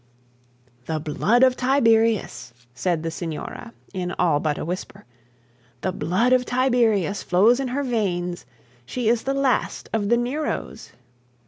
'The blood of Tiberius,' said the signora, in all but a whisper; 'the blood of Tiberius flows in her veins. She is the last of the Neros!'